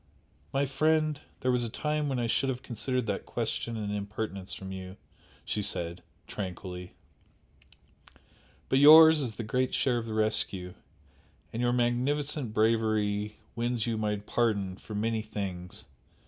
"My friend, there was a time when I should have considered that question an impertinence from you!" she said, tranquilly "But yours is the great share of the rescue and your magnificent bravery wins you my pardon, for many things!"